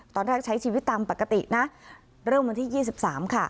ใช้ชีวิตตามปกตินะเริ่มวันที่๒๓ค่ะ